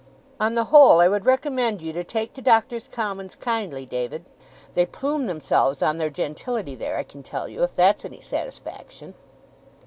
On the whole, I would recommend you to take to Doctors' Commons kindly, David. They plume themselves on their gentility there, I can tell you, if that's any satisfaction.